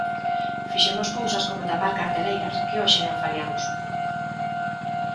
Fixemos cousas como tapar carteleiras, que hoxe non fariamos.